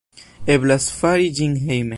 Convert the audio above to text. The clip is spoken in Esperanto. Eblas fari ĝin hejme.